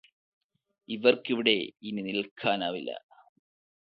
ഇവര്ക്കിവിടെ ഇനി നില്ക്കാനാവില്ല